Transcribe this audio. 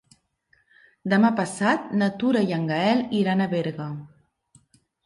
Demà passat na Tura i en Gaël iran a Berga.